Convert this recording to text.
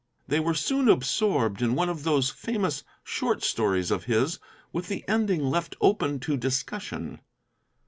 They were soon absorbed in one of those famous short stories of his with the ending left open to discussion.